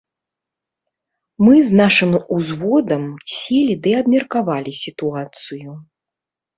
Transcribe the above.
Мы з нашым узводам селі ды абмеркавалі сітуацыю.